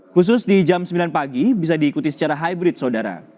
khusus di jam sembilan pagi bisa diikuti secara hybrid saudara